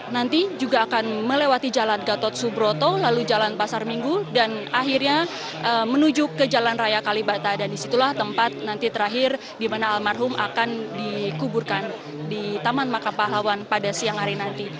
nanti juga akan melewati jalan gatot subroto lalu jalan pasar minggu dan akhirnya menuju ke jalan raya kalibata dan disitulah tempat nanti terakhir di mana almarhum akan dikuburkan di taman makam pahlawan pada siang hari nanti